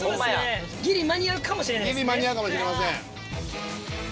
ギリ間に合うかもしれません。